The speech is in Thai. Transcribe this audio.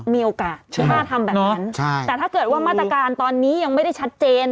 มีโอกาสที่ป้าทำแบบนั้นใช่แต่ถ้าเกิดว่ามาตรการตอนนี้ยังไม่ได้ชัดเจน